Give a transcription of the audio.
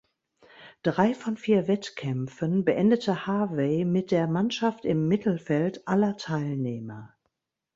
Drei von vier Wettkämpfen beendete Harvey mit der Mannschaft im Mittelfeld aller Teilnehmer.